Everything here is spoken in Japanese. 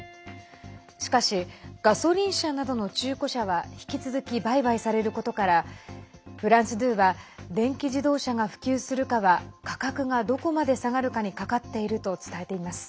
しかしガソリン車などの中古車は引き続き売買されることからフランス２は電気自動車が普及するかは価格がどこまで下がるかにかかっていると伝えています。